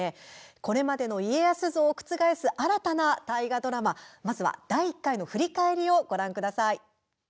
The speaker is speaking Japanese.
これまでの家康像を覆す新たな大河ドラマ、まずは第１回の振り返りをご覧ください。